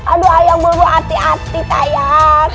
aduh ayang bulbul hati hati tayang